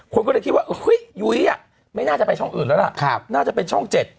คนก็เลยคิดว่าเฮ้ยยุ้ยไม่น่าจะไปช่องอื่นแล้วล่ะน่าจะเป็นช่อง๗